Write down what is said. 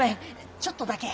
ちょっとだけや。